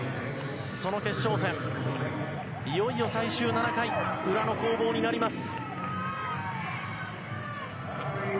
その決勝戦、いよいよ最終７回裏の攻防になります。